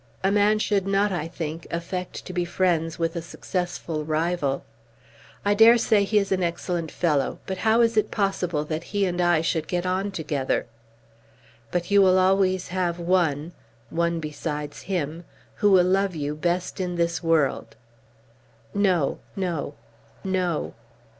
A man should not, I think, affect to be friends with a successful rival. I dare say he is an excellent fellow, but how is it possible that he and I should get on together? But you will always have one, one besides him, who will love you best in this world." "No; no; no."